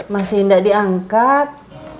masih gak diangkat